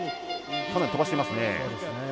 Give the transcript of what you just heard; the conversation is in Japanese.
かなり飛ばしていますね。